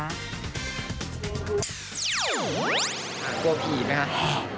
กลัวผีอีกไหมครับ